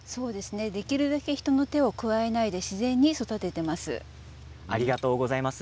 できるだけ人の手を加えないで自然に育てています。